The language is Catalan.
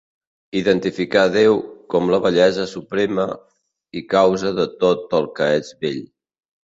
Identificà Déu com la bellesa suprema i causa de tot el que és bell.